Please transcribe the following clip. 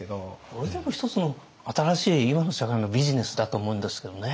それでも一つの新しい今の社会のビジネスだと思うんですけどね。